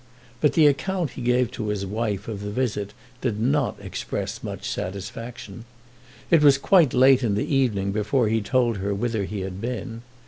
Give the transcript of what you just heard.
But the account he gave to his wife of the visit did not express much satisfaction. It was quite late in the evening before he told her whither he had been.